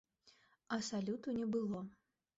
А салюту не было.